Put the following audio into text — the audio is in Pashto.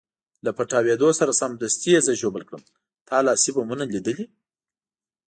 له پټاودو سره سمدستي یې زه ژوبل کړم، تا لاسي بمونه لیدلي؟